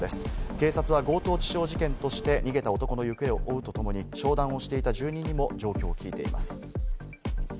警察は強盗致傷事件として逃げた男の行方を追うとともに商談をしていた住人にも詳しい状況を聞いています。